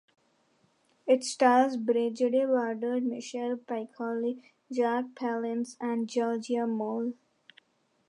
It stars Brigitte Bardot, Michel Piccoli, Jack Palance, and Giorgia Moll.